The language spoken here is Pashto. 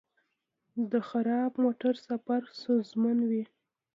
د خراب موټر سفر ستونزمن وي.